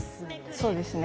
そうですね。